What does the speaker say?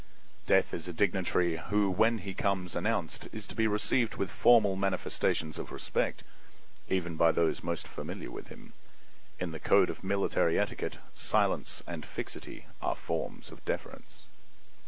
Death is a dignitary who when he comes announced is to be received with formal manifestations of respect, even by those most familiar with him. In the code of military etiquette silence and fixity are forms of deference.